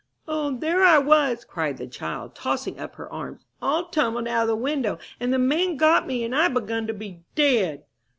"O, there I was!" cried the child, tossing up her arms, "all tumbled out of the window! And the man got me, and I begun to be dead!"